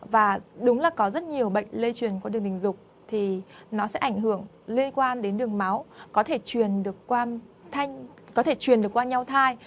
và đúng là có rất nhiều bệnh lây truyền qua đường tình dục thì nó sẽ ảnh hưởng liên quan đến đường máu có thể truyền được qua nhau thai